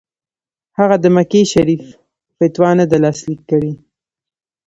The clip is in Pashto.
هغه د مکې شریف فتوا نه ده لاسلیک کړې.